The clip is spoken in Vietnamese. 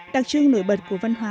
đặc trưng nổi bật của văn hóa